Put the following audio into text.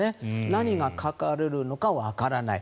何が書かれるのかわからない。